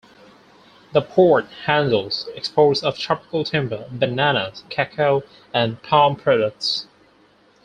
The port handles exports of tropical timber, bananas, cacao, and palm products.